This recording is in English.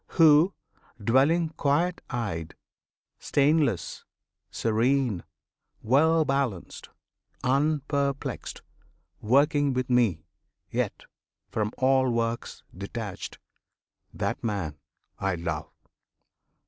Who, dwelling quiet eyed,[FN#25] Stainless, serene, well balanced, unperplexed, Working with Me, yet from all works detached, That man I love!